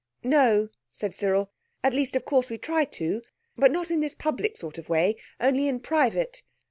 "No," said Cyril; "at least of course we try to, but not in this public sort of way, only in private."